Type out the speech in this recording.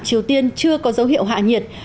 triều tiên chưa có dấu hiệu hạ nhiệt